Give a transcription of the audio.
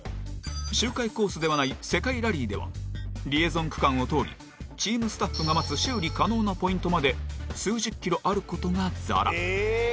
周回コースではない世界ラリーではリエゾン区間を通りチームスタッフが待つ修理可能なポイントまで数十キロあることがざら。